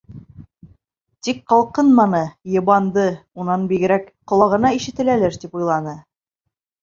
Тик ҡалҡынманы, йыбанды, унан бигерәк, ҡолағына ишетеләлер, тип уйланы.